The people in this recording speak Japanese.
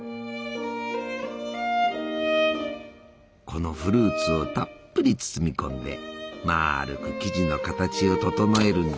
このフルーツをたっぷり包みこんでまるく生地の形を整えるんじゃな。